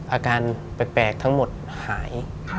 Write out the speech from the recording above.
อาการแปลกทั้งหมดหาย